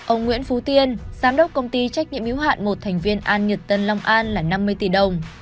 ông nguyễn phú tiên giám đốc công ty trách nhiệm hiếu hạn một thành viên an nhật tân long an là năm mươi tỷ đồng